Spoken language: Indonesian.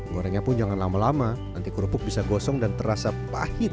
gorengnya pun jangan lama lama nanti kerupuk bisa gosong dan terasa pahit